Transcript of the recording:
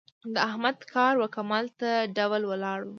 د احمد کار و کمال ته ډول ولاړم.